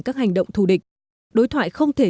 các hành động thù địch đối thoại không thể